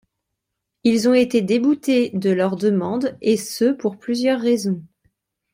Ils ont été déboutés de leur demande, et ce pour plusieurs raisons.